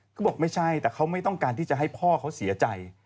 คือบอกไม่ใช่แต่เขาไม่ต้องการที่จะให้พ่อเขาเสียใจ